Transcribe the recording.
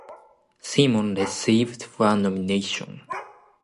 Simon received one nomination.